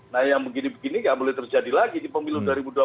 nah yang begini begini nggak boleh terjadi lagi di pemilu dua ribu dua puluh